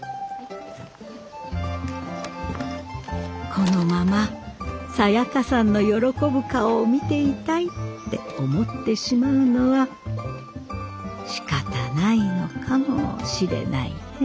このままサヤカさんの喜ぶ顔を見ていたいって思ってしまうのはしかたないのかもしれないね。